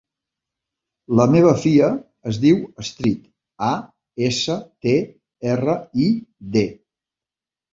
La meva filla es diu Astrid: a, essa, te, erra, i, de.